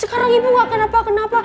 sekarang ibu gak kenapa kenapa